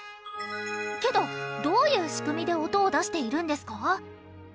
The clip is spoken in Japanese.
けどどういう仕組みで音を出しているんですか？